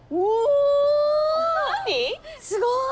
すごい。